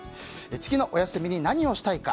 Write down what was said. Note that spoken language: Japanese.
次のお休みに何がしたいか。